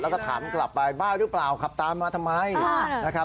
แล้วก็ถามกลับไปบ้าหรือเปล่าขับตามมาทำไมนะครับ